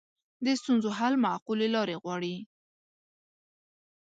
د ستونزو حل معقولې لارې غواړي